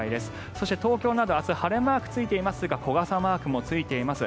そして東京など明日、晴れマークがついていますが小傘マークもついています。